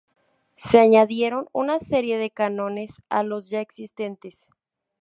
Se añadieron una serie de cánones a los ya existentes.